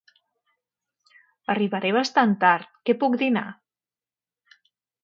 Arribaré bastant tard, què puc dinar?